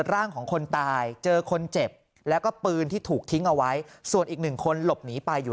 ร่างของคนตายเจอคนเจ็บแล้วก็ปืนที่ถูกทิ้งเอาไว้ส่วนอีกหนึ่งคนหลบหนีไปอยู่